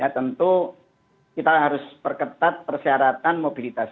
tentu kita harus perketat persyaratan mobilitas